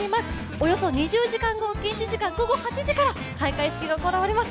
およそ２０時間後、現地時間午後８時から開会式が行われます。